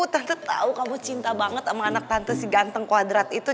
tante tau kamu cinta banget sama anak tante si ganteng koadrat itu